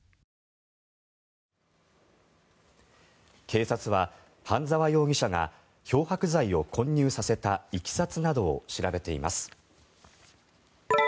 警察は半澤容疑者が漂白剤を混入させたいきさつなどを調べています。